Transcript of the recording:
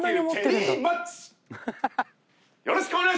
よろしくお願いします！